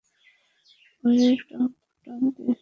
ওই টব টা দেখছিস?